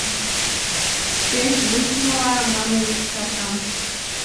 кеч высмылла манын чаркам